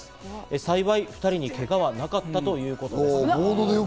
幸い、２人にけがはなかったということです。